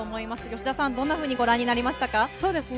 吉田さん、どんなふうにご覧になりました？